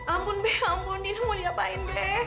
ampun be ampun dina mau diapain be